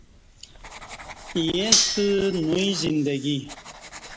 ییݩستہ نوئ زندگی